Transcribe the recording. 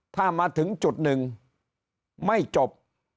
ถ้ามาถึงจุดหนึ่งไม่จบ